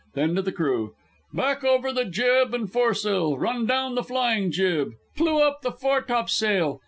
Then to the crew, "Back over the jib and foresail! Run down the flying jib! Clew up the foretopsail!